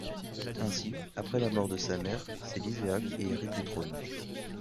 Ainsi, après la mort de sa mère, c'est Lisea qui hérite du trône.